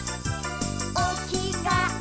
「おきがえ